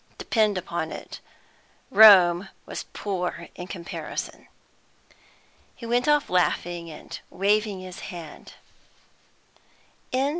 Depend upon it, Rome was poor in comparison!" He went off laughing and waving his hand.